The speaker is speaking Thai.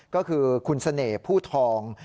ก็คือคุณเสน่ห์ผู้ทอง